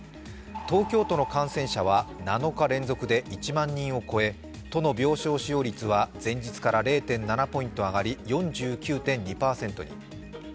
東京都の感染者は７日連続で１万人を超え都の病床使用率は前日から０．７ポイント上がり４９．２％に。